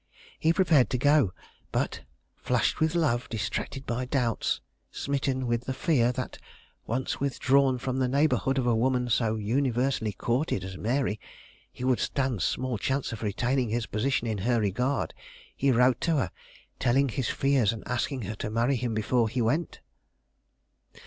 He prepared to go, but, flushed with love, distracted by doubts, smitten with the fear that, once withdrawn from the neighborhood of a woman so universally courted as Mary, he would stand small chance of retaining his position in her regard, he wrote to her, telling his fears and asking her to marry him before he went.